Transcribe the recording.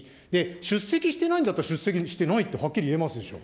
出席してないんだったら出席してないって、はっきり言えますでしょ。